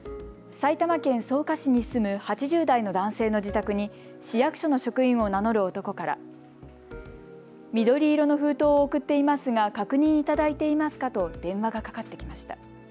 埼玉県草加市に住む８０代の男性の自宅に市役所の職員を名乗る男から緑色の封筒を送っていますが確認いただいていますかと電話がかかってきました。